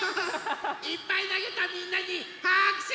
いっぱいなげたみんなにはくしゅ！